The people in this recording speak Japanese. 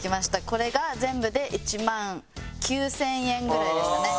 これが全部で１万９０００円ぐらいでしたね。